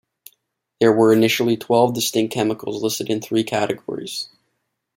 There were initially twelve distinct chemicals listed in three categories.